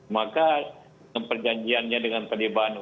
maka perjanjiannya dengan taliban untuk